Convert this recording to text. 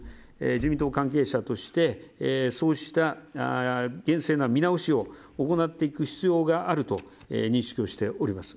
自民党関係者としてそうした厳正な見直しを行っていく必要があると認識をしております。